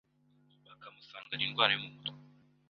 bakamusangana indwara yo mu mutwe,